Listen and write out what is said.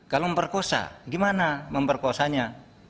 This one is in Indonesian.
kalau memperkosa gimana memperkosanya